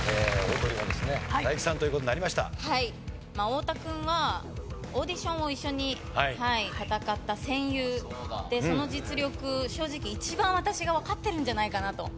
太田君はオーディションを一緒に戦った戦友でその実力正直一番私がわかってるんじゃないかなと。